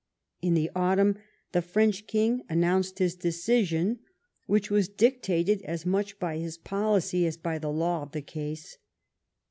In the autumn the French king announced his decision, which was dictated as much by his policy as by the law of the case.